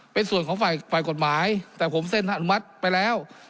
เป็นส่วนของฝ่ายกฎหมายแต่ผมเซ็นอนุมัติไปแล้ว